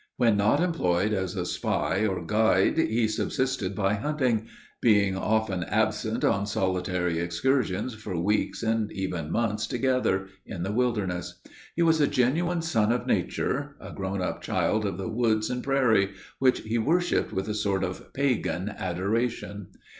When not employed as a spy or guide, he subsisted by hunting, being often absent on solitary excursions for weeks and even months together, in the wilderness. He was a genuine son of nature, a grown up child of the woods and prairie, which he worshiped with a sort of Pagan adoration.